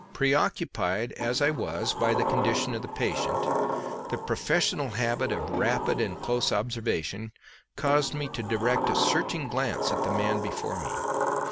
Preoccupied as I was, by the condition of the patient, the professional habit of rapid and close observation caused me to direct a searching glance at the man before me.